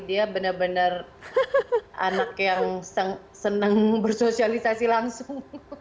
dia benar benar anak yang senang bersosialisasi langsung